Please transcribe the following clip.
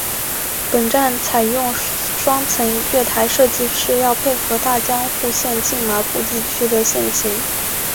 本站采用双层月台设计是要配合大江户线近麻布地区的线形。